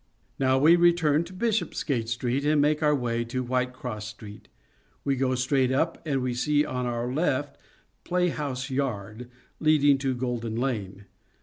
Now we return to Bishopsgate Street and make our way to Whitecross Street. We go straight up, and we see on our left Play House Yard, leading to Golden Lane.